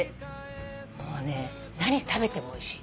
もうね何食べてもおいしい。